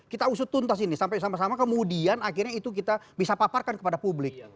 kita usut tuntas ini sampai sama sama kemudian akhirnya itu kita bisa paparkan kepada publik